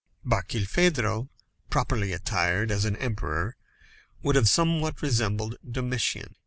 Barkilphedro, properly attired, as an emperor, would have somewhat resembled Domitian.